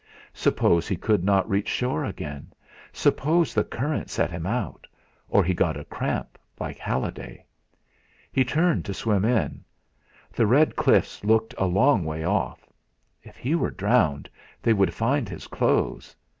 Suppose he could not reach shore again suppose the current set him out or he got cramp, like Halliday! He turned to swim in. The red cliffs looked a long way off. If he were drowned they would find his clothes.